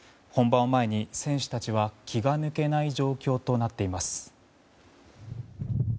本番を前に選手たちは気が抜けない状況となっています。